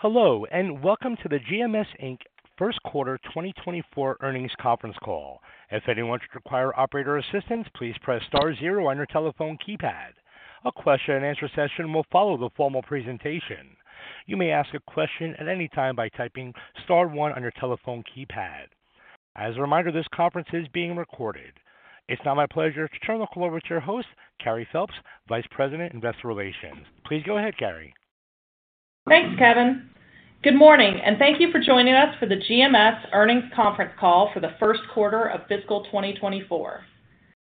Hello, and welcome to the GMS Inc. First Quarter 2024 Earnings Conference Call. If anyone should require operator assistance, please press star zero on your telephone keypad. A question-and-answer session will follow the formal presentation. You may ask a question at any time by typing star one on your telephone keypad. As a reminder, this conference is being recorded. It's now my pleasure to turn the call over to our host, Carey Phelps, Vice President, Investor Relations. Please go ahead, Carey. Thanks, Kevin. Good morning, and thank you for joining us for the GMS Earnings Conference Call for the first quarter of fiscal 2024.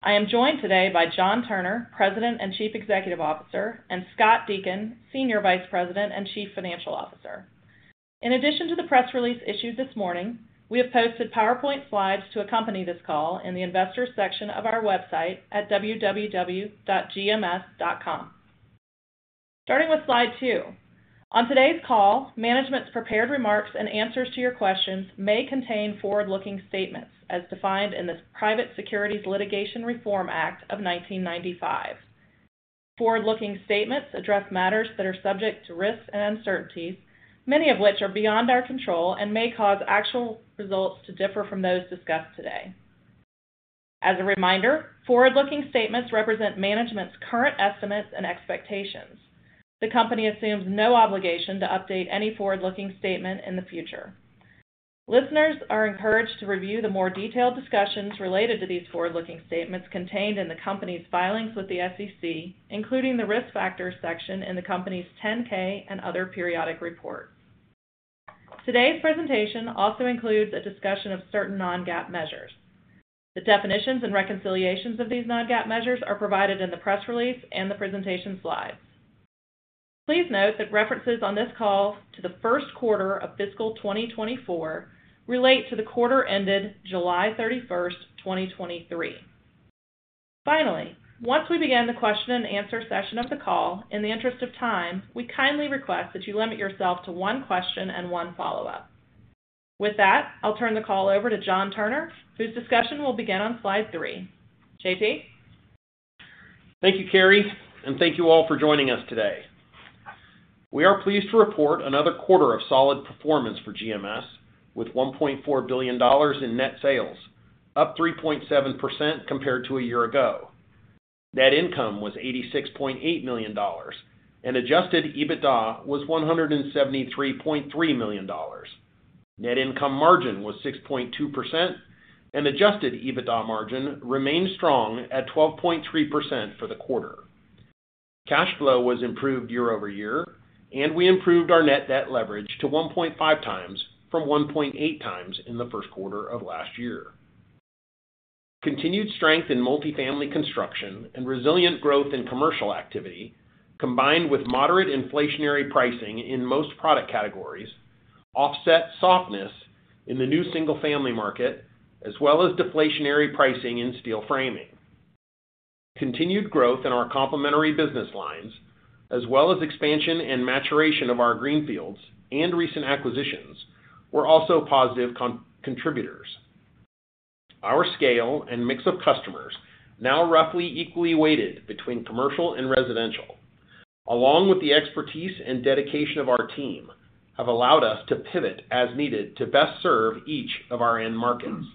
I am joined today by John Turner, President and Chief Executive Officer; and Scott Deakin, Senior Vice President and Chief Financial Officer. In addition to the press release issued this morning, we have posted PowerPoint slides to accompany this call in the Investors section of our website at www.gms.com. Starting with slide two. On today's call, management's prepared remarks and answers to your questions may contain forward-looking statements as defined in the Private Securities Litigation Reform Act of 1995. Forward-looking statements address matters that are subject to risks and uncertainties, many of which are beyond our control and may cause actual results to differ from those discussed today. As a reminder, forward-looking statements represent management's current estimates and expectations. The company assumes no obligation to update any forward-looking statement in the future. Listeners are encouraged to review the more detailed discussions related to these forward-looking statements contained in the company's filings with the SEC, including the Risk Factors section in the company's 10-K and other periodic reports. Today's presentation also includes a discussion of certain non-GAAP measures. The definitions and reconciliations of these non-GAAP measures are provided in the press release and the presentation slides. Please note that references on this call to the first quarter of fiscal 2024 relate to the quarter ended July 31, 2023. Finally, once we begin the question and answer session of the call, in the interest of time, we kindly request that you limit yourself to one question and one follow-up. With that, I'll turn the call over to John Turner, whose discussion will begin on slide three. JT? Thank you, Carey, and thank you all for joining us today. We are pleased to report another quarter of solid performance for GMS, with $1.4 billion in net sales, up 3.7% compared to a year ago. Net income was $86.8 million, and Adjusted EBITDA was $173.3 million. Net income margin was 6.2%, and Adjusted EBITDA margin remained strong at 12.3% for the quarter. Cash flow was improved year-over-year, and we improved our Net Debt Leverage to 1.5x from 1.8x in the first quarter of last year. Continued strength in multifamily construction and resilient growth in commercial activity, combined with moderate inflationary pricing in most product categories, offset softness in the new single-family market, as well as deflationary pricing in steel framing. Continued growth in our complementary business lines, as well as expansion and maturation of our greenfields and recent acquisitions, were also positive contributors. Our scale and mix of customers, now roughly equally weighted between commercial and residential, along with the expertise and dedication of our team, have allowed us to pivot as needed to best serve each of our end markets.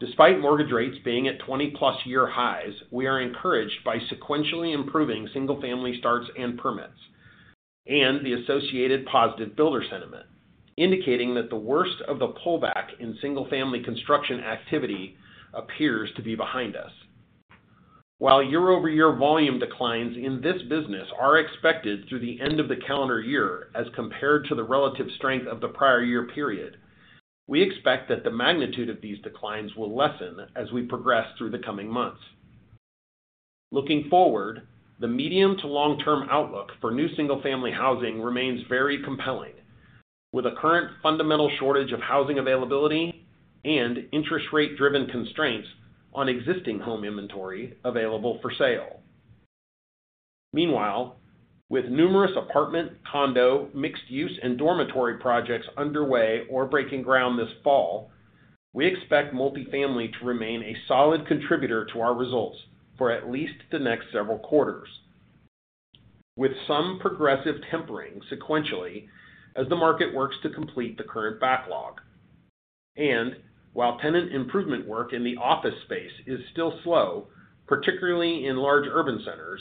Despite mortgage rates being at 20+ year highs, we are encouraged by sequentially improving single-family starts and permits, and the associated positive builder sentiment, indicating that the worst of the pullback in single-family construction activity appears to be behind us. While year-over-year volume declines in this business are expected through the end of the calendar year as compared to the relative strength of the prior year period, we expect that the magnitude of these declines will lessen as we progress through the coming months. Looking forward, the medium to long-term outlook for new single-family housing remains very compelling, with a current fundamental shortage of housing availability and interest rate-driven constraints on existing home inventory available for sale. Meanwhile, with numerous apartment, condo, mixed-use, and dormitory projects underway or breaking ground this fall, we expect multifamily to remain a solid contributor to our results for at least the next several quarters, with some progressive tempering sequentially as the market works to complete the current backlog. While tenant improvement work in the office space is still slow, particularly in large urban centers,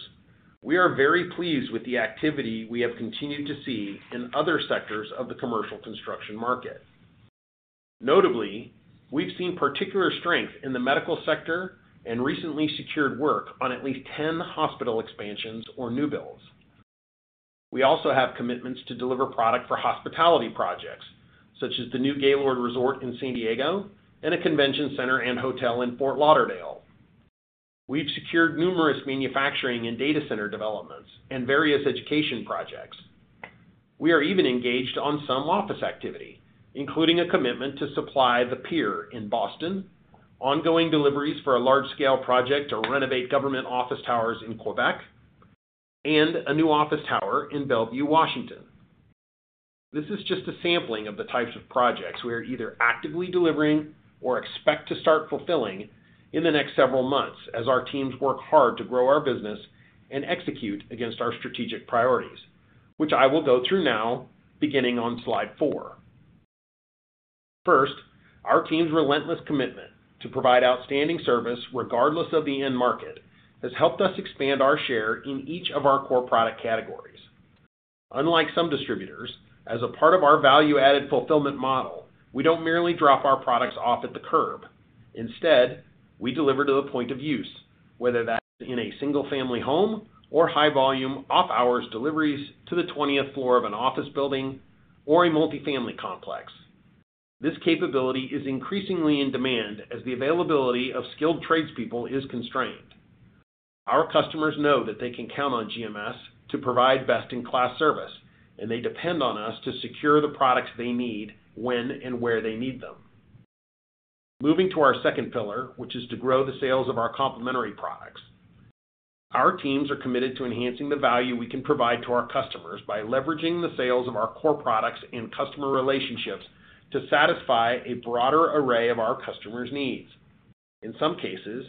we are very pleased with the activity we have continued to see in other sectors of the commercial construction market. Notably, we've seen particular strength in the medical sector and recently secured work on at least 10 hospital expansions or new builds. We also have commitments to deliver product for hospitality projects, such as the new Gaylord Resort in San Diego and a convention center and hotel in Fort Lauderdale. We've secured numerous manufacturing and data center developments and various education projects. We are even engaged on some office activity, including a commitment to supply the Pier in Boston, ongoing deliveries for a large-scale project to renovate government office towers in Quebec, and a new office tower in Bellevue, Washington. This is just a sampling of the types of projects we are either actively delivering or expect to start fulfilling in the next several months as our teams work hard to grow our business and execute against our strategic priorities, which I will go through now, beginning on slide four. First, our team's relentless commitment to provide outstanding service, regardless of the end market, has helped us expand our share in each of our core product categories. Unlike some distributors, as a part of our value-added fulfillment model, we don't merely drop our products off at the curb. Instead, we deliver to the point of use, whether that's in a single-family home or high-volume, off-hours deliveries to the twentieth floor of an office building or a multifamily complex. This capability is increasingly in demand as the availability of skilled tradespeople is constrained. Our customers know that they can count on GMS to provide best-in-class service, and they depend on us to secure the products they need, when and where they need them. Moving to our second pillar, which is to grow the sales of our complementary products. Our teams are committed to enhancing the value we can provide to our customers by leveraging the sales of our core products and customer relationships to satisfy a broader array of our customers' needs. In some cases,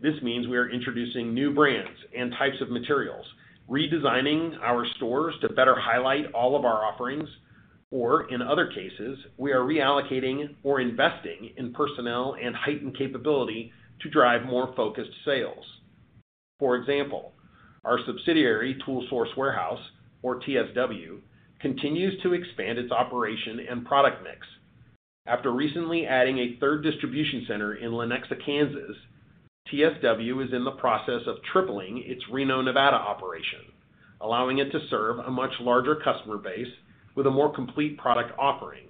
this means we are introducing new brands and types of materials, redesigning our stores to better highlight all of our offerings, or in other cases, we are reallocating or investing in personnel and heightened capability to drive more focused sales. For example, our subsidiary, Tool Source Warehouse, or TSW, continues to expand its operation and product mix. After recently adding a third distribution center in Lenexa, Kansas, TSW is in the process of tripling its Reno, Nevada, operation, allowing it to serve a much larger customer base with a more complete product offering.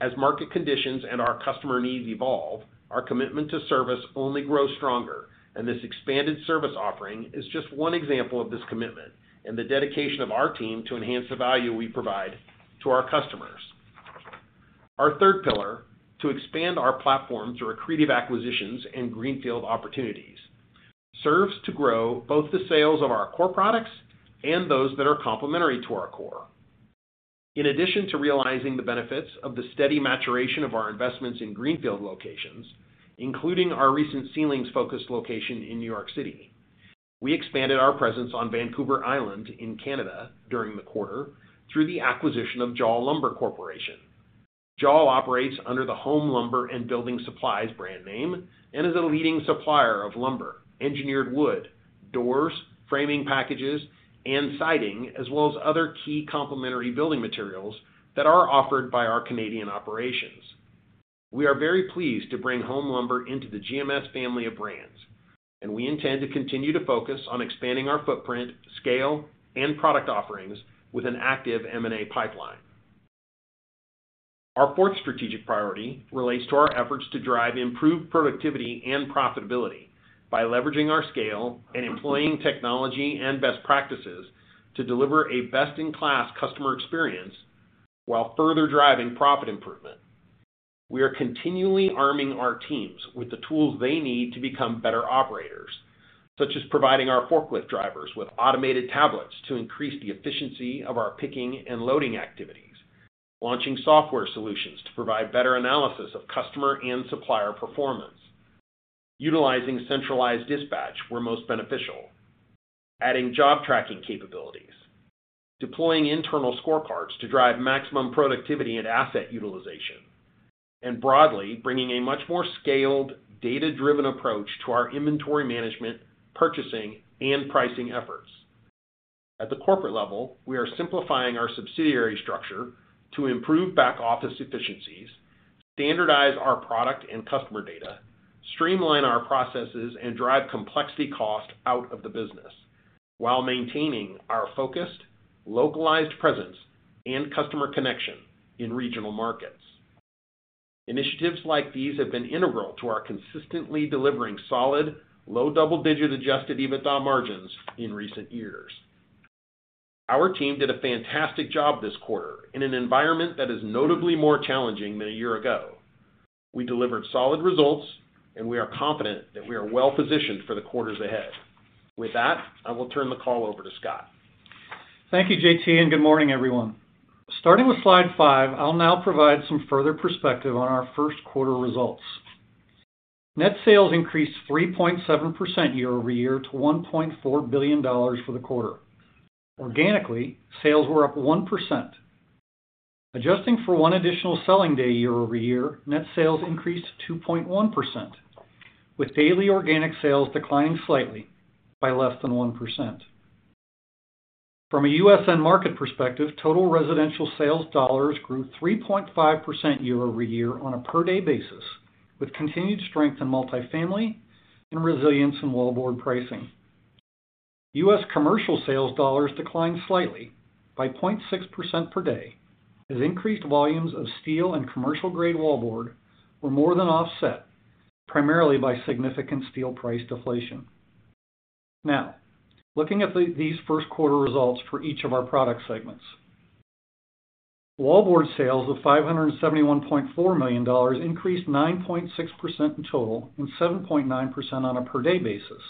As market conditions and our customer needs evolve, our commitment to service only grows stronger, and this expanded service offering is just one example of this commitment and the dedication of our team to enhance the value we provide to our customers. Our third pillar, to expand our platform through accretive acquisitions and greenfield opportunities, serves to grow both the sales of our core products and those that are complementary to our core. In addition to realizing the benefits of the steady maturation of our investments in greenfield locations, including our recent ceilings-focused location in New York City, we expanded our presence on Vancouver Island in Canada during the quarter through the acquisition of Jawl Lumber Corporation. Jawl operates under the Home Lumber and Building Supplies brand name and is a leading supplier of lumber, engineered wood, doors, framing packages, and siding, as well as other key complementary building materials that are offered by our Canadian operations. We are very pleased to bring Home Lumber into the GMS family of brands, and we intend to continue to focus on expanding our footprint, scale, and product offerings with an active M&A pipeline. Our fourth strategic priority relates to our efforts to drive improved productivity and profitability by leveraging our scale and employing technology and best practices to deliver a best-in-class customer experience while further driving profit improvement. We are continually arming our teams with the tools they need to become better operators, such as providing our forklift drivers with automated tablets to increase the efficiency of our picking and loading activities, launching software solutions to provide better analysis of customer and supplier performance, utilizing centralized dispatch where most beneficial, adding job tracking capabilities, deploying internal scorecards to drive maximum productivity and asset utilization, and broadly, bringing a much more scaled, data-driven approach to our inventory management, purchasing, and pricing efforts. At the corporate level, we are simplifying our subsidiary structure to improve back-office efficiencies, standardize our product and customer data, streamline our processes, and drive complexity cost out of the business while maintaining our focused, localized presence and customer connection in regional markets. Initiatives like these have been integral to our consistently delivering solid, low-double-digit Adjusted EBITDA margins in recent years. Our team did a fantastic job this quarter in an environment that is notably more challenging than a year ago. We delivered solid results, and we are confident that we are well-positioned for the quarters ahead. With that, I will turn the call over to Scott. Thank you, JT, and good morning, everyone. Starting with slide five, I'll now provide some further perspective on our first quarter results. Net sales increased 3.7% year-over-year to $1.4 billion for the quarter. Organically, sales were up 1%. Adjusting for 1 additional selling day year-over-year, net sales increased 2.1%, with daily organic sales declining slightly by less than 1%. From a U.S. end market perspective, total residential sales dollars grew 3.5% year-over-year on a per-day basis, with continued strength in multifamily and resilience in wallboard pricing. U.S. commercial sales dollars declined slightly by 0.6% per day, as increased volumes of steel and commercial-grade wallboard were more than offset, primarily by significant steel price deflation. Now, looking at these first quarter results for each of our product segments. Wallboard sales of $571.4 million increased 9.6% in total and 7.9% on a per-day basis,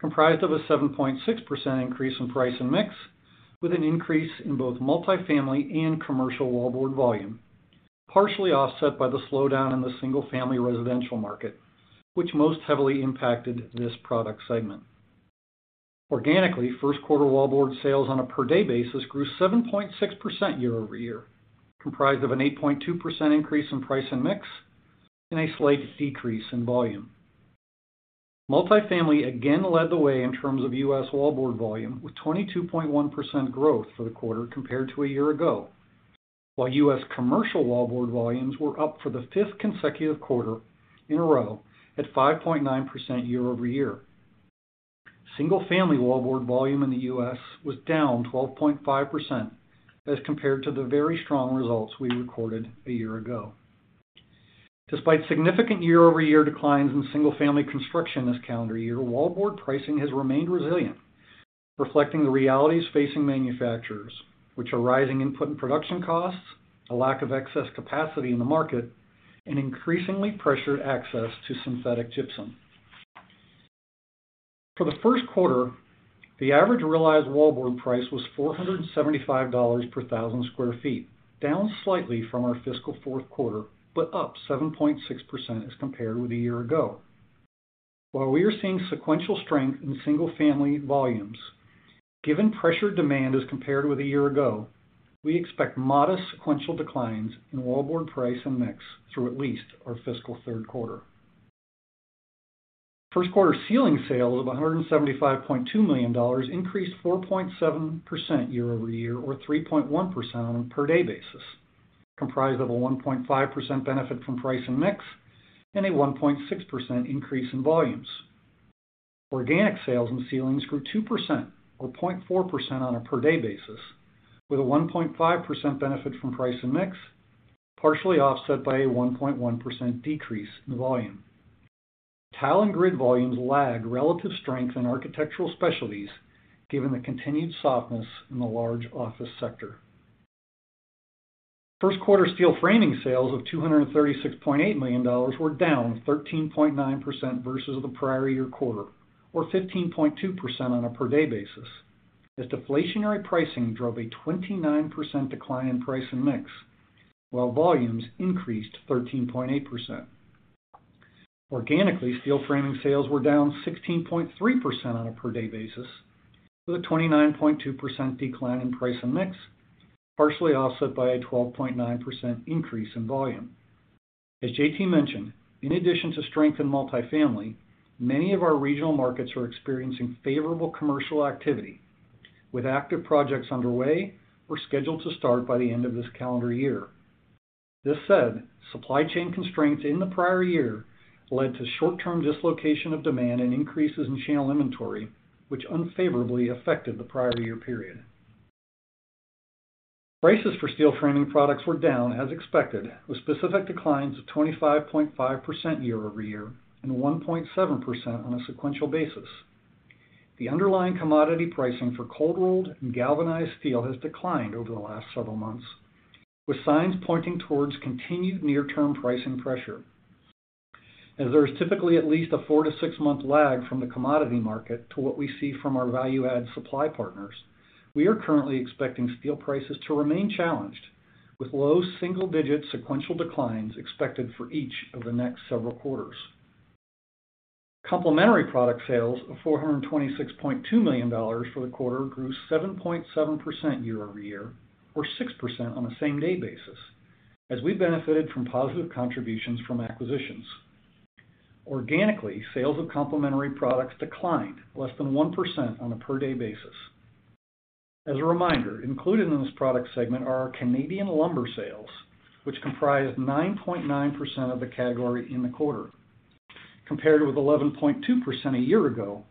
comprised of a 7.6% increase in price and mix, with an increase in both multifamily and commercial wallboard volume, partially offset by the slowdown in the single-family residential market, which most heavily impacted this product segment. Organically, first quarter wallboard sales on a per-day basis grew 7.6% year-over-year, comprised of an 8.2% increase in price and mix, and a slight decrease in volume. Multifamily again led the way in terms of U.S. wallboard volume, with 22.1% growth for the quarter compared to a year ago, while U.S. commercial wallboard volumes were up for the fifth consecutive quarter in a row at 5.9% year-over-year. Single-family wallboard volume in the U.S. was down 12.5% as compared to the very strong results we recorded a year ago. Despite significant year-over-year declines in single-family construction this calendar year, wallboard pricing has remained resilient, reflecting the realities facing manufacturers, which are rising input and production costs, a lack of excess capacity in the market, and increasingly pressured access to synthetic gypsum. For the first quarter, the average realized wallboard price was $475 per 1,000 sq ft, down slightly from our fiscal fourth quarter, but up 7.6% as compared with a year ago. While we are seeing sequential strength in single-family volumes, given pressured demand as compared with a year ago, we expect modest sequential declines in wallboard price and mix through at least our fiscal third quarter. First quarter ceiling sales of $175.2 million increased 4.7% year-over-year, or 3.1% on a per-day basis, comprised of a 1.5% benefit from price and mix, and a 1.6% increase in volumes. Organic sales in ceilings grew 2% or 0.4% on a per-day basis, with a 1.5% benefit from price and mix, partially offset by a 1.1% decrease in volume. Tile and grid volumes lag relative strength in architectural specialties, given the continued softness in the large office sector. First quarter steel framing sales of $236.8 million were down 13.9% versus the prior year quarter, or 15.2% on a per-day basis, as deflationary pricing drove a 29% decline in price and mix, while volumes increased 13.8%. Organically, steel framing sales were down 16.3% on a per-day basis, with a 29.2% decline in price and mix, partially offset by a 12.9% increase in volume. As JT mentioned, in addition to strength in multifamily, many of our regional markets are experiencing favorable commercial activity, with active projects underway or scheduled to start by the end of this calendar year. This said, supply chain constraints in the prior year led to short-term dislocation of demand and increases in channel inventory, which unfavorably affected the prior year period. Prices for steel framing products were down as expected, with specific declines of 25.5% year-over-year and 1.7% on a sequential basis. The underlying commodity pricing for cold-rolled and galvanized steel has declined over the last several months, with signs pointing towards continued near-term pricing pressure. As there is typically at least a four- to six-month lag from the commodity market to what we see from our value-add supply partners, we are currently expecting steel prices to remain challenged, with low single-digit sequential declines expected for each of the next several quarters. Complementary product sales of $426.2 million for the quarter grew 7.7% year-over-year, or 6% on a same-day basis, as we benefited from positive contributions from acquisitions. Organically, sales of complementary products declined less than 1% on a per-day basis. As a reminder, included in this product segment are our Canadian lumber sales, which comprised 9.9% of the category in the quarter, compared with 11.2% a year ago,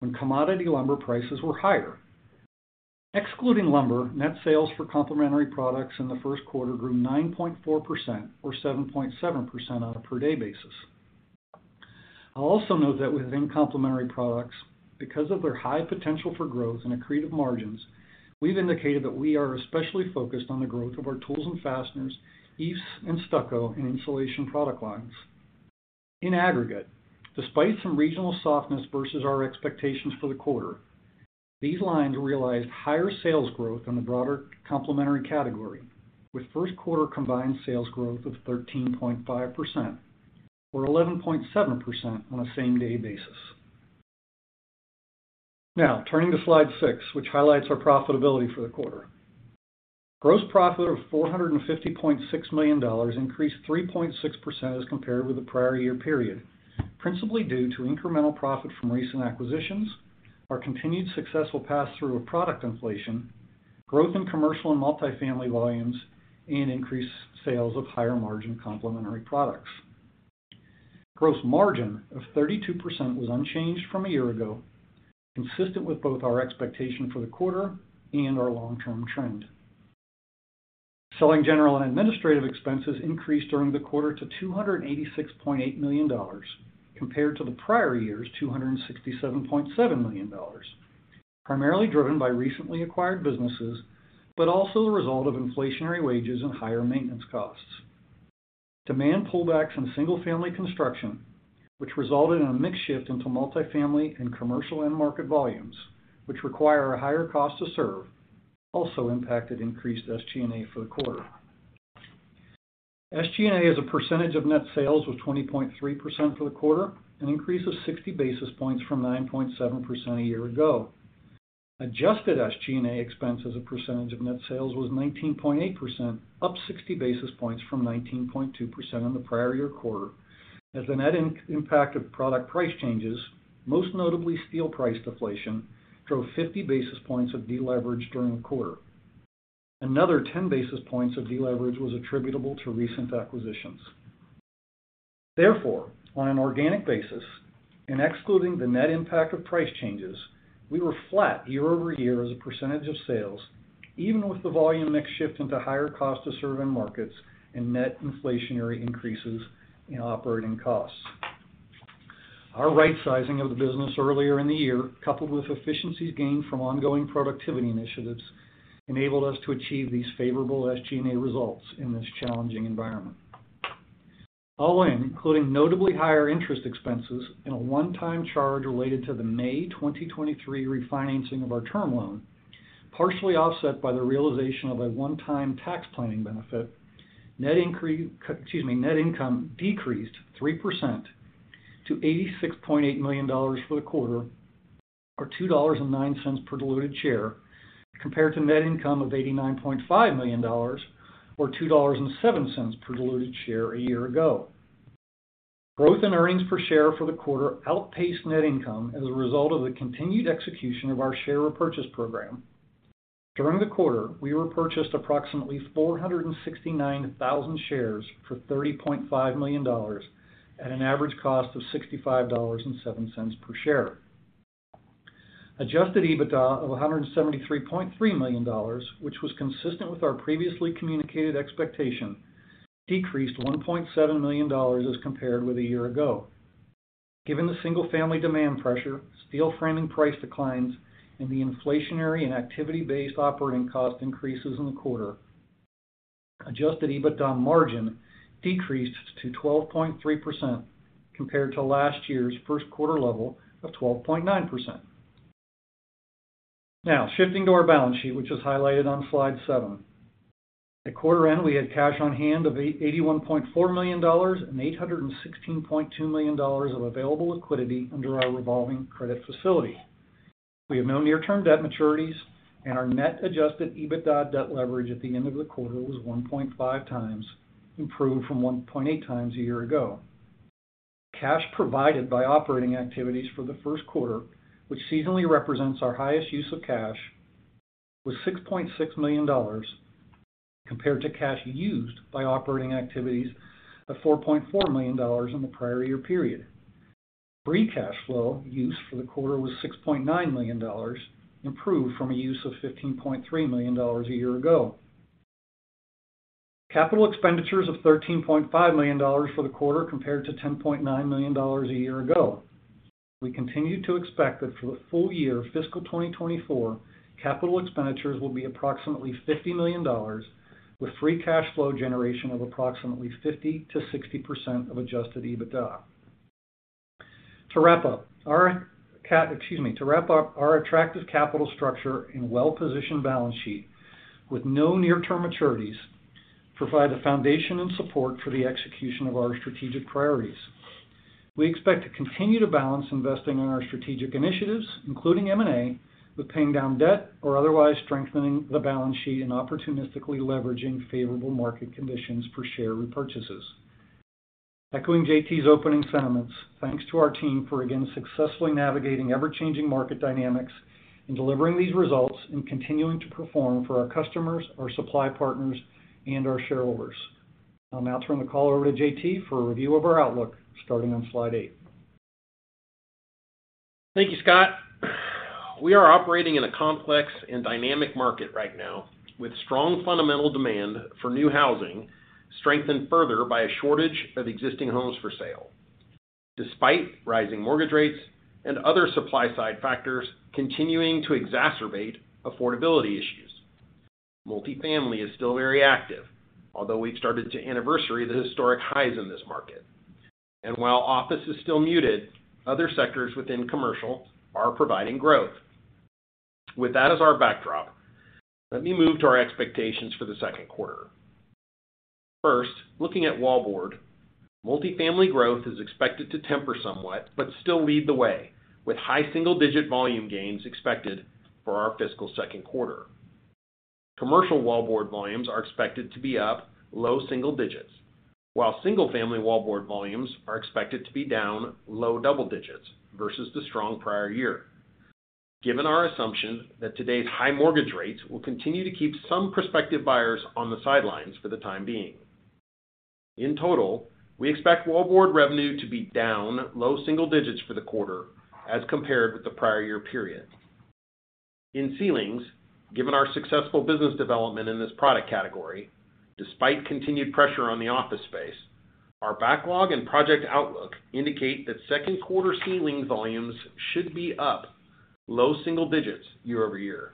when commodity lumber prices were higher. Excluding lumber, net sales for complementary products in the first quarter grew 9.4% or 7.7% on a per-day basis. I'll also note that within complementary products, because of their high potential for growth and accretive margins, we've indicated that we are especially focused on the growth of our tools and fasteners, EIFS and stucco, and insulation product lines. In aggregate, despite some regional softness versus our expectations for the quarter, these lines realized higher sales growth than the broader complementary category, with first quarter combined sales growth of 13.5% or 11.7% on a same-day basis. Now, turning to slide six, which highlights our profitability for the quarter. Gross profit of $450.6 million increased 3.6% as compared with the prior year period, principally due to incremental profit from recent acquisitions, our continued successful pass-through of product inflation, growth in commercial and multifamily volumes, and increased sales of higher-margin complementary products. Gross margin of 32% was unchanged from a year ago, consistent with both our expectation for the quarter and our long-term trend. Selling, general, and administrative expenses increased during the quarter to $286.8 million, compared to the prior year's $267.7 million, primarily driven by recently acquired businesses, but also the result of inflationary wages and higher maintenance costs. Demand pullbacks in single-family construction, which resulted in a mix shift into multifamily and commercial end-market volumes, which require a higher cost to serve, also impacted increased SG&A for the quarter. SG&A as a percentage of net sales was 20.3% for the quarter, an increase of 60 basis points from 9.7% a year ago. Adjusted SG&A expense as a percentage of net sales was 19.8%, up 60 basis points from 19.2% in the prior year quarter, as the net impact of product price changes, most notably steel price deflation, drove 50 basis points of deleverage during the quarter. Another 10 basis points of deleverage was attributable to recent acquisitions. Therefore, on an organic basis, and excluding the net impact of price changes, we were flat year-over-year as a percentage of sales, even with the volume mix shift into higher cost to serve end markets and net inflationary increases in operating costs. Our rightsizing of the business earlier in the year, coupled with efficiencies gained from ongoing productivity initiatives, enabled us to achieve these favorable SG&A results in this challenging environment. All in, including notably higher interest expenses and a one-time charge related to the May 2023 refinancing of our term loan, partially offset by the realization of a one-time tax planning benefit, net increase, excuse me, net income decreased 3% to $86.8 million for the quarter, or $2.09 per diluted share, compared to net income of $89.5 million, or $2.07 per diluted share a year ago. Growth in earnings per share for the quarter outpaced net income as a result of the continued execution of our share repurchase program. During the quarter, we repurchased approximately 469,000 shares for $30.5 million at an average cost of $65.07 per share. Adjusted EBITDA of $173.3 million, which was consistent with our previously communicated expectation, decreased $1.7 million as compared with a year ago. Given the single-family demand pressure, steel framing price declines, and the inflationary and activity-based operating cost increases in the quarter, adjusted EBITDA margin decreased to 12.3% compared to last year's first quarter level of 12.9%. Now, shifting to our balance sheet, which is highlighted on slide seven. At quarter end, we had cash on hand of $81.4 million and $816.2 million of available liquidity under our revolving credit facility. We have no near-term debt maturities, and our net adjusted EBITDA debt leverage at the end of the quarter was 1.5x, improved from 1.8x a year ago. Cash provided by operating activities for the first quarter, which seasonally represents our highest use of cash, was $6.6 million, compared to cash used by operating activities of $4.4 million in the prior year period. Free cash flow use for the quarter was $6.9 million, improved from a use of $15.3 million a year ago. Capital expenditures of $13.5 million for the quarter, compared to $10.9 million a year ago. We continue to expect that for the full year fiscal 2024, capital expenditures will be approximately $50 million, with free cash flow generation of approximately 50%-60% of Adjusted EBITDA. To wrap up, our attractive capital structure and well-positioned balance sheet with no near-term maturities provide a foundation and support for the execution of our strategic priorities. We expect to continue to balance investing in our strategic initiatives, including M&A, with paying down debt or otherwise strengthening the balance sheet and opportunistically leveraging favorable market conditions for share repurchases. Echoing JT's opening sentiments, thanks to our team for again successfully navigating ever-changing market dynamics and delivering these results, and continuing to perform for our customers, our supply partners, and our shareholders. I'll now turn the call over to JT for a review of our outlook, starting on slide eight. Thank you, Scott. We are operating in a complex and dynamic market right now, with strong fundamental demand for new housing strengthened further by a shortage of existing homes for sale, despite rising mortgage rates and other supply-side factors continuing to exacerbate affordability issues. Multifamily is still very active, although we've started to anniversary the historic highs in this market. And while office is still muted, other sectors within commercial are providing growth. With that as our backdrop, let me move to our expectations for the second quarter. First, looking at wallboard, multifamily growth is expected to temper somewhat, but still lead the way, with high single-digit volume gains expected for our fiscal second quarter. Commercial wallboard volumes are expected to be up low single digits, while single-family wallboard volumes are expected to be down low double digits versus the strong prior year, given our assumption that today's high mortgage rates will continue to keep some prospective buyers on the sidelines for the time being. In total, we expect wallboard revenue to be down low single digits for the quarter as compared with the prior year period. In ceilings, given our successful business development in this product category, despite continued pressure on the office space, our backlog and project outlook indicate that second quarter ceiling volumes should be up low single digits year-over-year,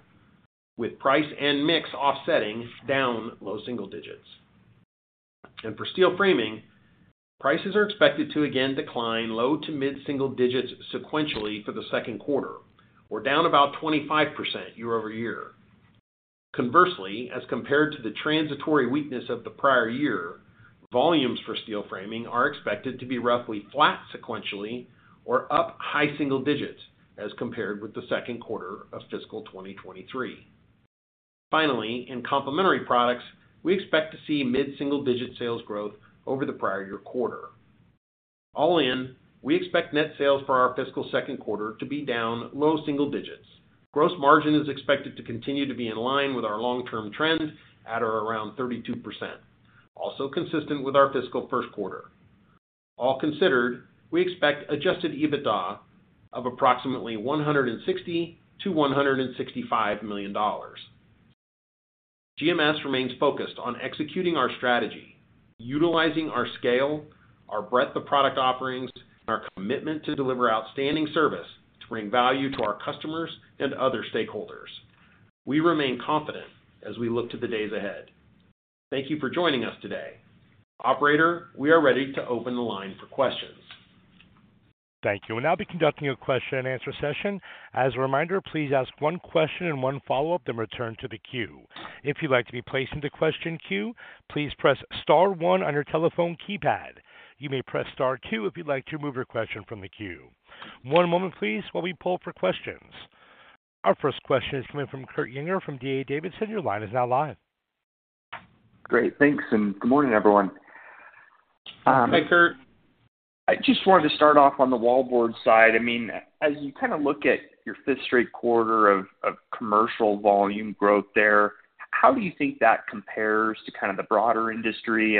with price and mix offsetting down low single digits. For steel framing, prices are expected to again decline low to mid single digits sequentially for the second quarter, or down about 25% year-over-year. Conversely, as compared to the transitory weakness of the prior year, volumes for steel framing are expected to be roughly flat sequentially or up high single digits as compared with the second quarter of fiscal 2023. Finally, in complementary products, we expect to see mid single-digit sales growth over the prior year quarter. All in, we expect net sales for our fiscal second quarter to be down low single digits. Gross margin is expected to continue to be in line with our long-term trend at or around 32%, also consistent with our fiscal first quarter. All considered, we expect adjusted EBITDA of approximately $160 million-$165 million. GMS remains focused on executing our strategy, utilizing our scale, our breadth of product offerings, and our commitment to deliver outstanding service to bring value to our customers and other stakeholders. We remain confident as we look to the days ahead. Thank you for joining us today. Operator, we are ready to open the line for questions. Thank you. We'll now be conducting a question-and-answer session. As a reminder, please ask one question and one follow-up, then return to the queue. If you'd like to be placed into question queue, please press star one on your telephone keypad. You may press star two if you'd like to remove your question from the queue. One moment please, while we pull for questions. Our first question is coming from Kurt Yinger from D.A. Davidson. Your line is now live. Great. Thanks, and good morning, everyone. Hi, Kurt. I just wanted to start off on the wallboard side. I mean, as you kind of look at your fifth straight quarter of commercial volume growth there, how do you think that compares to kind of the broader industry?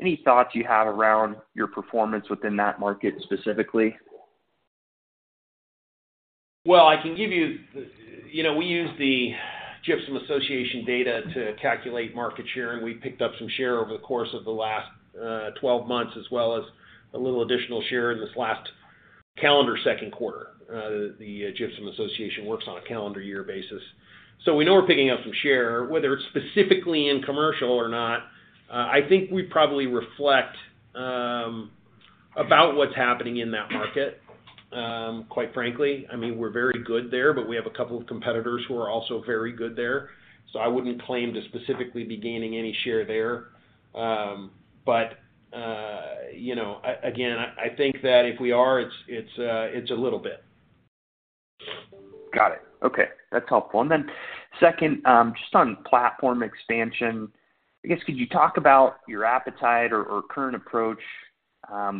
Any thoughts you have around your performance within that market specifically? Well, I can give you. You know, we use the Gypsum Association data to calculate market share, and we picked up some share over the course of the last 12 months, as well as a little additional share in this last calendar second quarter. The Gypsum Association works on a calendar year basis. So we know we're picking up some share, whether it's specifically in commercial or not, I think we probably reflect about what's happening in that market, quite frankly. I mean, we're very good there, but we have a couple of competitors who are also very good there, so I wouldn't claim to specifically be gaining any share there. But you know, again, I think that if we are, it's a little bit. Got it. Okay, that's helpful. And then second, just on platform expansion, I guess, could you talk about your appetite or current approach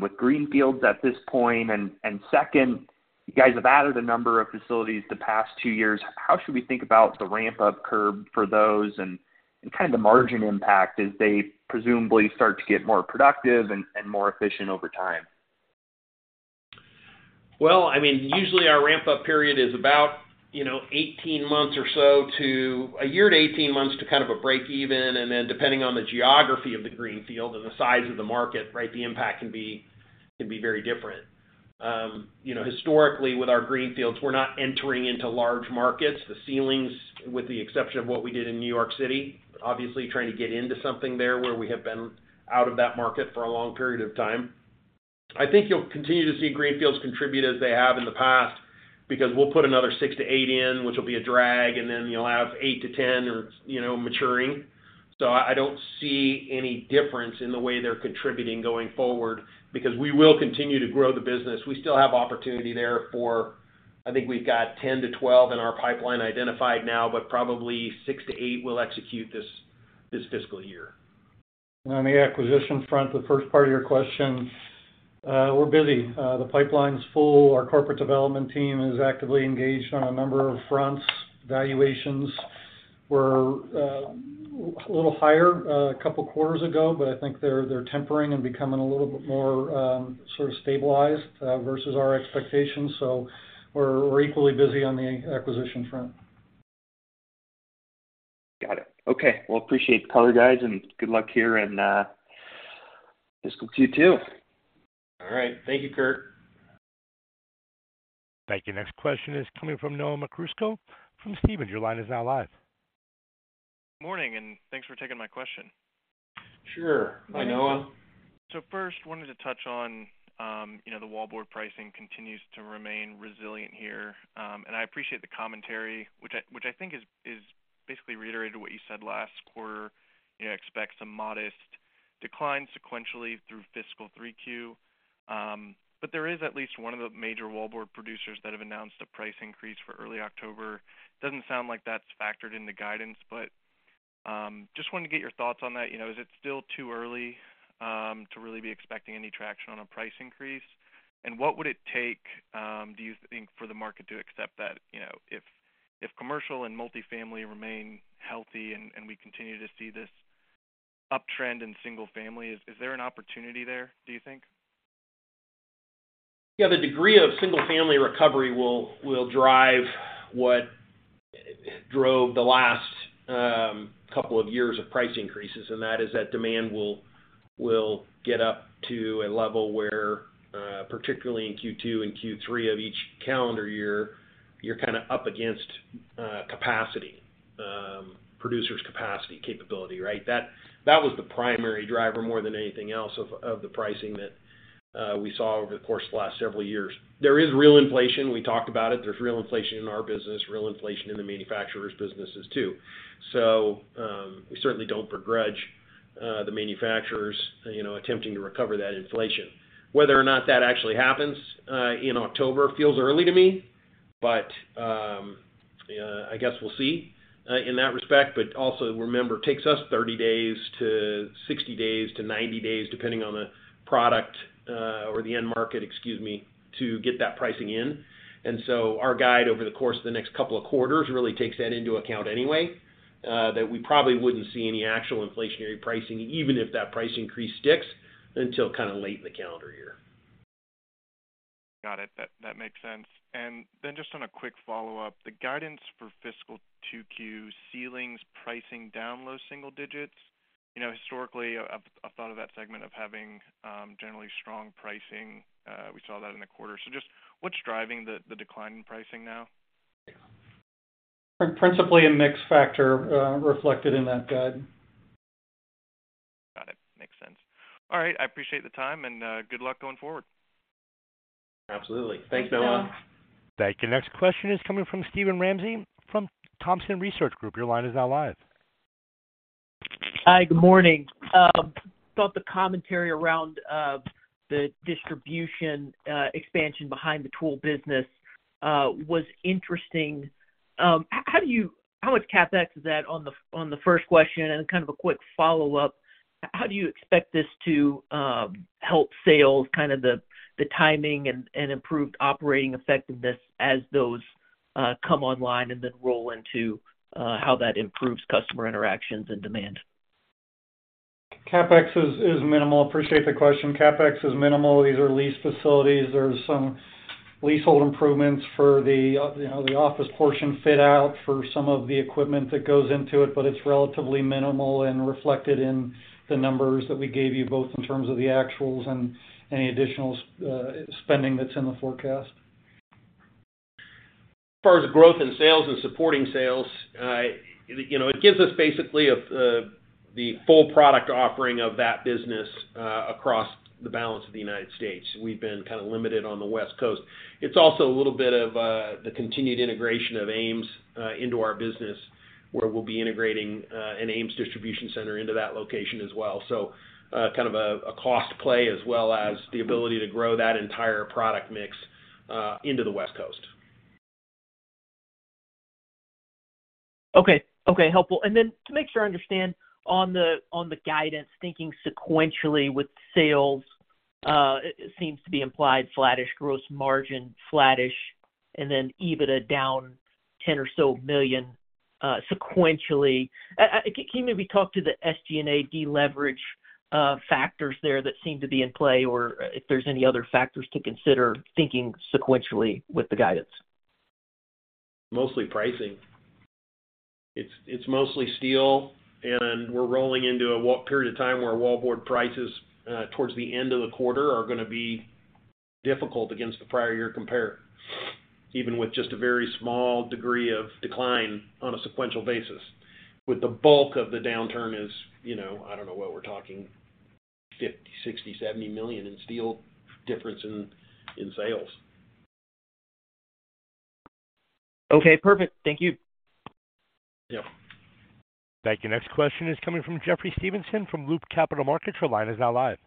with greenfields at this point? And second, you guys have added a number of facilities the past two years. How should we think about the ramp-up curve for those and kind of the margin impact as they presumably start to get more productive and more efficient over time? Well, I mean, usually our ramp-up period is about, you know, 18 months or so to a year to 18 months to kind of a break even, and then, depending on the geography of the greenfield and the size of the market, right, the impact can be, can be very different. You know, historically, with our greenfields, we're not entering into large markets. The ceilings, with the exception of what we did in New York City, obviously trying to get into something there where we have been out of that market for a long period of time. I think you'll continue to see greenfields contribute as they have in the past, because we'll put another six to eight in, which will be a drag, and then you'll have eight to 10 or, you know, maturing. So I don't see any difference in the way they're contributing going forward, because we will continue to grow the business. We still have opportunity there for, I think we've got 10-12 in our pipeline identified now, but probably six to eight will execute this fiscal year. On the acquisition front, the first part of your question, we're busy. The pipeline is full. Our corporate development team is actively engaged on a number of fronts. Valuations were a little higher a couple of quarters ago, but I think they're tempering and becoming a little bit more sort of stabilized versus our expectations. So we're equally busy on the acquisition front. Got it. Okay, well, appreciate the color, guys, and good luck here and, fiscal Q2. All right. Thank you, Kurt. Thank you. Next question is coming from Noah Merkousko from Stephens. Your line is now live. Morning, and thanks for taking my question. Sure. Hi, Noah. So first, wanted to touch on, you know, the wallboard pricing continues to remain resilient here. And I appreciate the commentary, which I, which I think is, is basically reiterated what you said last quarter. You expect some modest decline sequentially through fiscal 3Q, but there is at least one of the major wallboard producers that have announced a price increase for early October. Doesn't sound like that's factored in the guidance, but, just wanted to get your thoughts on that. You know, is it still too early, to really be expecting any traction on a price increase? And what would it take, do you think, for the market to accept that, you know, if, if commercial and multifamily remain healthy and, and we continue to see this uptrend in single family, is, is there an opportunity there, do you think? Yeah, the degree of single-family recovery will, will drive what drove the last couple of years of price increases, and that is that demand will, will get up to a level where, particularly in Q2 and Q3 of each calendar year, you're kinda up against, capacity, producer's capacity, capability, right? That, that was the primary driver, more than anything else, of, of the pricing that, we saw over the course of the last several years. There is real inflation. We talked about it. There's real inflation in our business, real inflation in the manufacturers' businesses, too. So, we certainly don't begrudge, the manufacturers, you know, attempting to recover that inflation. Whether or not that actually happens, in October, feels early to me, but, yeah, I guess we'll see, in that respect. But also remember, it takes us 30 days to 60 days to 90 days, depending on the product, or the end market, excuse me, to get that pricing in. And so our guide over the course of the next couple of quarters really takes that into account anyway, that we probably wouldn't see any actual inflationary pricing, even if that price increase sticks, until kinda late in the calendar year. Got it. That makes sense. Then just on a quick follow-up, the guidance for fiscal 2Q ceilings, pricing down low single digits. You know, historically, I've thought of that segment as having generally strong pricing. We saw that in the quarter. So just what's driving the decline in pricing now? Principally, a mix factor, reflected in that guide. Got it. Makes sense. All right. I appreciate the time, and good luck going forward. Absolutely. Thanks, Noah. Thanks, Noah. Thank you. Next question is coming from Steven Ramsey from Thompson Research Group. Your line is now live. Hi, good morning. Thought the commentary around the distribution expansion behind the tool business was interesting. How do you. How much CapEx is that on the first question? And then kind of a quick follow-up: how do you expect this to help sales, kind of the timing and improved operating effectiveness as those come online and then roll into how that improves customer interactions and demand? CapEx is minimal. Appreciate the question. CapEx is minimal. These are lease facilities. There's some leasehold improvements for the, you know, the office portion fit out for some of the equipment that goes into it, but it's relatively minimal and reflected in the numbers that we gave you, both in terms of the actuals and any additional spending that's in the forecast. As far as growth in sales and supporting sales, you know, it gives us basically the full product offering of that business across the balance of the United States. We've been kind of limited on the West Coast. It's also a little bit of the continued integration of Ames into our business, where we'll be integrating an Ames distribution center into that location as well. So, kind of a, a cost play, as well as the ability to grow that entire product mix into the West Coast. Okay. Okay, helpful. And then to make sure I understand, on the guidance, thinking sequentially with sales, it seems to be implied, flattish gross margin, flattish, and then EBITDA down $10 million or so sequentially. Can you maybe talk to the SG&A deleverage factors there that seem to be in play, or if there's any other factors to consider thinking sequentially with the guidance? Mostly pricing. It's mostly steel, and we're rolling into a period of time where wallboard prices towards the end of the quarter are gonna be difficult against the prior year compare, even with just a very small degree of decline on a sequential basis, with the bulk of the downturn is, you know, I don't know what we're talking $50 million, $60 million, $70 million in steel difference in sales. Okay, perfect. Thank you. Yeah. Thank you. Next question is coming from Jeffrey Stevenson from Loop Capital Markets. Your line is now live.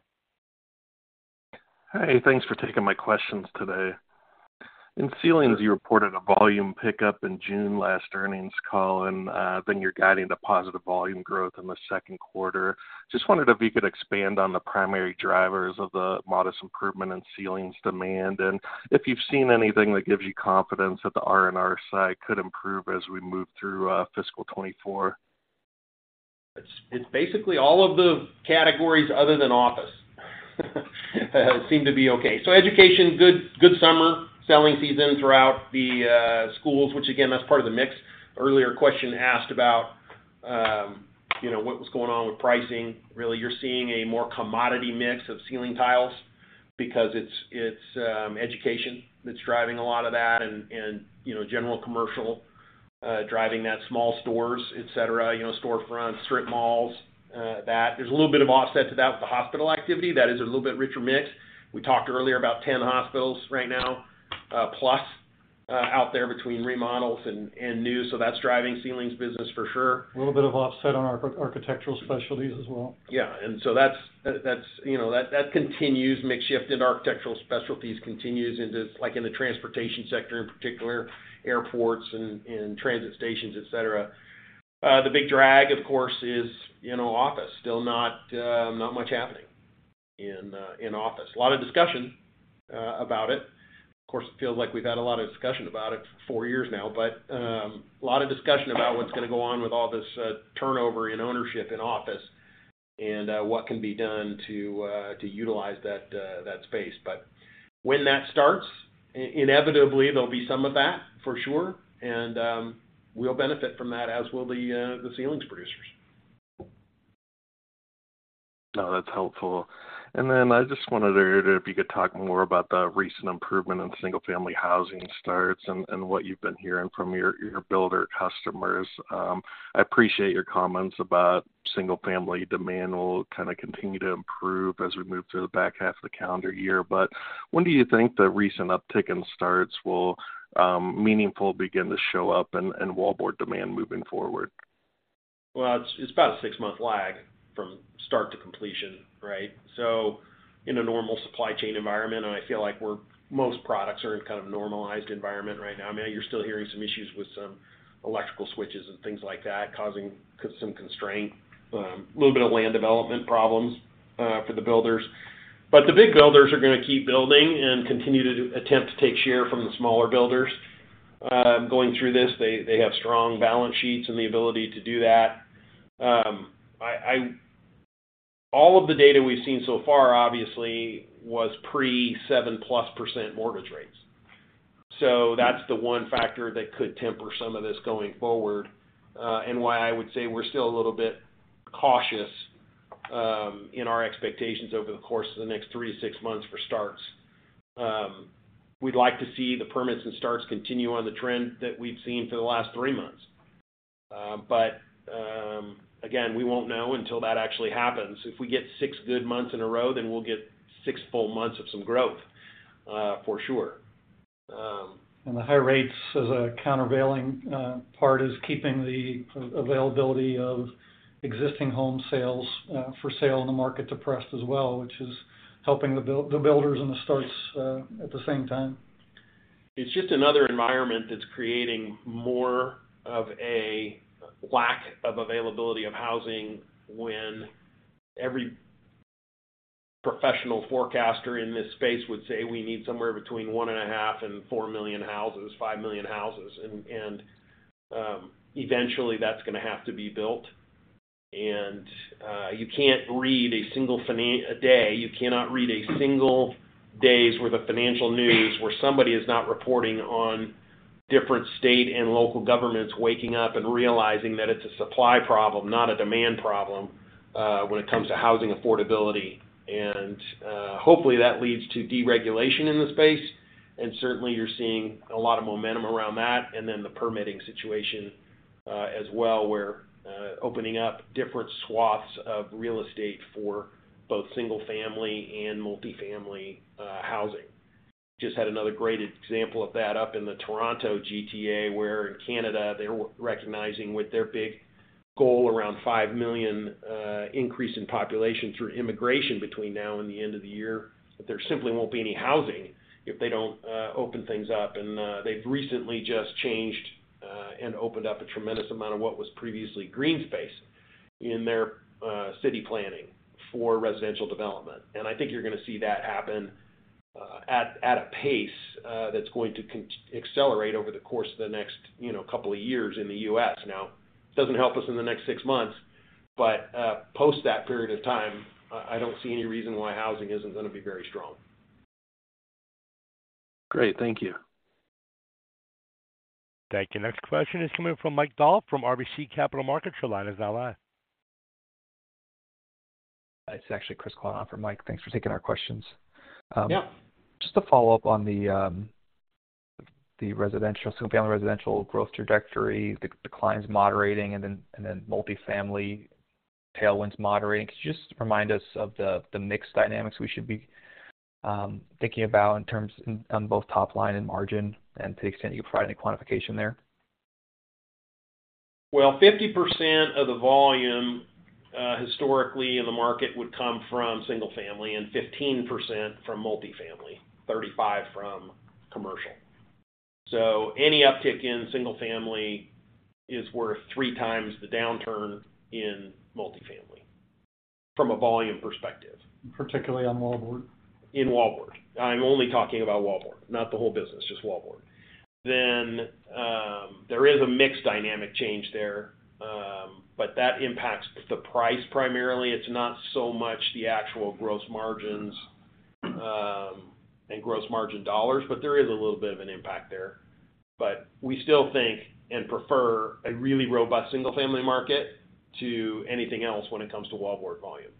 Hi, thanks for taking my questions today. In ceilings, you reported a volume pickup in June last earnings call, and then you're guiding to positive volume growth in the second quarter. Just wondered if you could expand on the primary drivers of the modest improvement in ceilings demand, and if you've seen anything that gives you confidence that the R&R side could improve as we move through fiscal 2024. It's basically all of the categories other than office seem to be okay. So education, good, good summer selling season throughout the schools, which, again, that's part of the mix. Earlier question asked about, you know, what was going on with pricing. Really, you're seeing a more commodity mix of ceiling tiles because it's education that's driving a lot of that and, you know, general commercial driving that small stores, et cetera, you know, storefronts, strip malls, that. There's a little bit of offset to that with the hospital activity. That is a little bit richer mix. We talked earlier about 10 hospitals right now, plus out there between remodels and new, so that's driving ceilings business for sure. A little bit of offset on our Architectural Specialties as well. Yeah, and so that's, you know, that continues. Mix shift in Architectural Specialties continues into, like, in the transportation sector in particular, airports and transit stations, et cetera. The big drag, of course, is, you know, office. Still not much happening in office. A lot of discussion about it. Of course, it feels like we've had a lot of discussion about it for four years now, but a lot of discussion about what's gonna go on with all this turnover in ownership in office, and what can be done to utilize that space. But when that starts, inevitably, there'll be some of that, for sure, and we'll benefit from that, as will the ceilings producers. No, that's helpful. And then I just wondered if you could talk more about the recent improvement in single-family housing starts and what you've been hearing from your builder customers. I appreciate your comments about single-family demand will kinda continue to improve as we move through the back half of the calendar year. But when do you think the recent uptick in starts will meaningful begin to show up in wallboard demand moving forward? Well, it's about a six-month lag from start to completion, right? So in a normal supply chain environment, and I feel like we're most products are in kind of a normalized environment right now. I mean, you're still hearing some issues with some electrical switches and things like that, causing some constraint, a little bit of land development problems, for the builders. But the big builders are gonna keep building and continue to attempt to take share from the smaller builders. Going through this, they have strong balance sheets and the ability to do that. All of the data we've seen so far, obviously, was pre 7%+ mortgage rates. So that's the one factor that could temper some of this going forward, and why I would say we're still a little bit cautious in our expectations over the course of the next three to six months for starts. We'd like to see the permits and starts continue on the trend that we've seen for the last three months. But again, we won't know until that actually happens. If we get six good months in a row, then we'll get six full months of some growth for sure. The high rates, as a countervailing part, is keeping the availability of existing home sales for sale in the market depressed as well, which is helping the builders and the starts at the same time. It's just another environment that's creating more of a lack of availability of housing when every professional forecaster in this space would say we need somewhere between 1.5 million and 4 million houses, 5 million houses. And eventually, that's gonna have to be built. And you can't read a single financial news a day. You cannot read a single day's where the financial news, where somebody is not reporting on different state and local governments waking up and realizing that it's a supply problem, not a demand problem when it comes to housing affordability. And hopefully, that leads to deregulation in the space, and certainly, you're seeing a lot of momentum around that, and then the permitting situation as well, where opening up different swaths of real estate for both single-family and multifamily housing. Just had another great example of that up in the Toronto GTA, where in Canada, they're recognizing with their big goal, around 5 million, increase in population through immigration between now and the end of the year, that there simply won't be any housing if they don't open things up. And they've recently just changed and opened up a tremendous amount of what was previously green space in their city planning for residential development. And I think you're gonna see that happen at a pace that's going to accelerate over the course of the next, you know, couple of years in the U.S. Now, it doesn't help us in the next six months, but post that period of time, I don't see any reason why housing isn't gonna be very strong. Great. Thank you. Thank you. Next question is coming from Mike Dahl from RBC Capital Markets. Your line is now live. It's actually Chris Cowan for Mike. Thanks for taking our questions. Yeah. Just to follow up on the residential, single-family residential growth trajectory, the decline's moderating and then multifamily tailwinds moderating. Could you just remind us of the mix dynamics we should be thinking about in terms on both top line and margin, and to the extent you can provide any quantification there? Well, 50% of the volume, historically in the market would come from single-family and 15% from multifamily, 35% from commercial. So any uptick in single family is worth three times the downturn in multifamily, from a volume perspective. Particularly on wallboard. In wallboard. I'm only talking about wallboard, not the whole business, just wallboard. Then, there is a mix dynamic change there, but that impacts the price primarily. It's not so much the actual gross margins, and gross margin dollars, but there is a little bit of an impact there. But we still think and prefer a really robust single-family market to anything else when it comes to wallboard volume.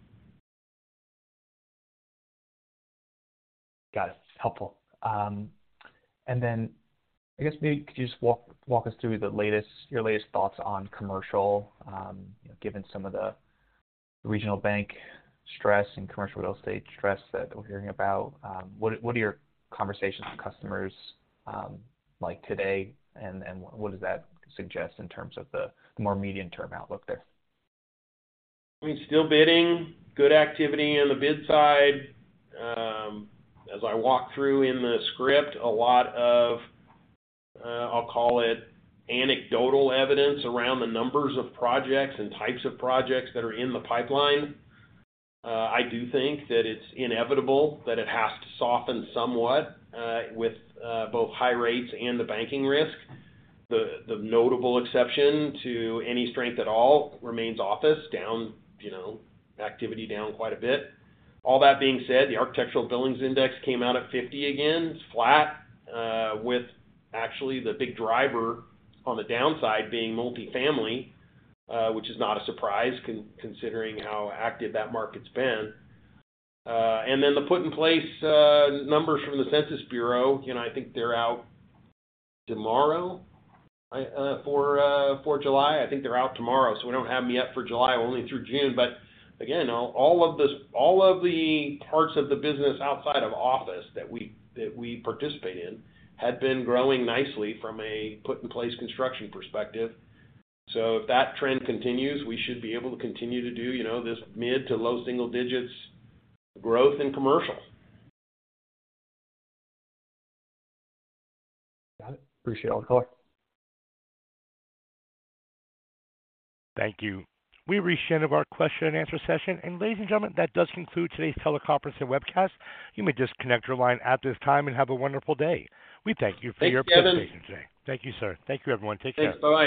Got it. Helpful. And then I guess maybe could you just walk us through the latest, your latest thoughts on commercial, given some of the regional bank stress and commercial real estate stress that we're hearing about? What are your conversations with customers like today, and what does that suggest in terms of the more medium-term outlook there? I mean, still bidding. Good activity on the bid side. As I walked through in the script, a lot of, I'll call it anecdotal evidence around the numbers of projects and types of projects that are in the pipeline. I do think that it's inevitable that it has to soften somewhat, with both high rates and the banking risk. The notable exception to any strength at all remains office, down, you know, activity down quite a bit. All that being said, the Architectural Billings Index came out at 50 again. It's flat, with actually the big driver on the downside being multifamily, which is not a surprise considering how active that market's been. And then the put-in-place numbers from the Census Bureau, you know, I think they're out tomorrow, for July. I think they're out tomorrow, so we don't have them yet for July, only through June. But again, all of this, all of the parts of the business outside of office that we participate in, had been growing nicely from a Put-in-Place Construction perspective. So if that trend continues, we should be able to continue to do, you know, this mid to low single digits growth in commercial. Got it. Appreciate all the color. Thank you. We've reached the end of our question and answer session. Ladies and gentlemen, that does conclude today's teleconference and webcast. You may disconnect your line at this time and have a wonderful day. We thank you for your- Thanks, Kevin. Participation today. Thank you, sir. Thank you, everyone. Take care. Thanks. Bye-bye.